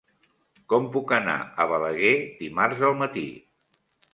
Com puc anar a Balaguer dimarts al matí?